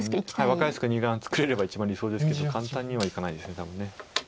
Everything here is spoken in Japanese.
分かりやすく二眼作れれば一番理想ですけど簡単にはいかないですよね多分。